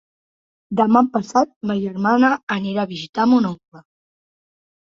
Demà passat ma germana anirà a visitar mon oncle.